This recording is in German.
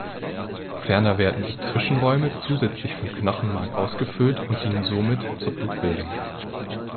Ferner werden die Zwischenräume zusätzlich von Knochenmark ausgefüllt und dienen somit zur Blutbildung.